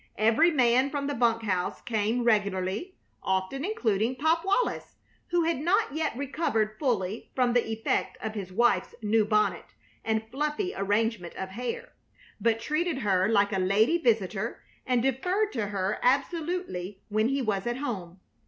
Every man from the bunk house came regularly, often including Pop Wallis, who had not yet recovered fully from the effect of his wife's new bonnet and fluffy arrangement of hair, but treated her like a lady visitor and deferred to her absolutely when he was at home.